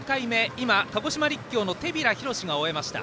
今、鹿児島陸協の手平裕士が終えました。